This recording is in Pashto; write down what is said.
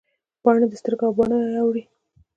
پاڼې د سترګو او باڼه یې اوري